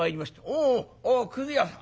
「おお！ああくず屋さん。